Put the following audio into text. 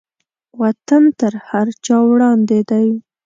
وطن تر هر چا وړاندې دی.